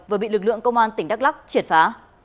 vừa bị lực lượng công an tỉnh đắk lắc triệt phá